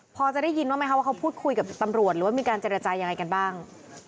พอจะได้ยินบ้างไหมคะว่าเขาพูดคุยกับตำรวจหรือว่ามีการเจรจายังไงกันบ้าง